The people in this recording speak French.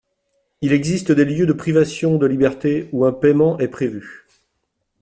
Il existe des lieux de privation de liberté où un paiement est prévu.